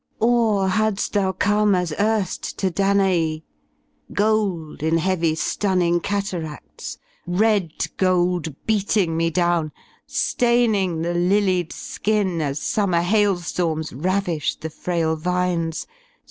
Or hadii thou come as erh to Dana — gold In heavy Stunning cataracts, red gold Beating me down, Staining the lilied skin, As summer hailstorms ravish the frail vines.